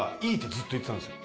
ずっと言ってたんですよ。